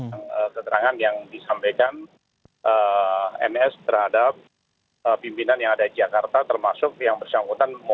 ini adalah keterangan yang disampaikan ns terhadap pimpinan yang ada di jakarta termasuk yang bersyangkutan